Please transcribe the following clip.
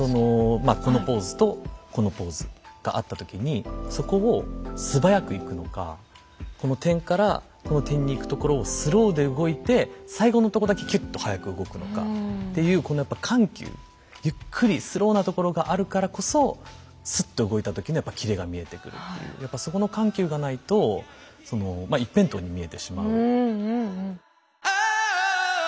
まあこのポーズとこのポーズがあった時にそこを素早くいくのかこの点からこの点にいくところをスローで動いて最後のとこだけキュッと速く動くのかっていうこのやっぱ緩急ゆっくりスローなところがあるからこそスッと動いた時にはやっぱキレが見えてくるっていうやっぱそこの緩急がないとそのまあ一辺倒に見えてしまう。